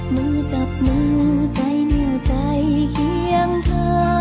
มือจับมือใจเหนียวใจเคียงเธอ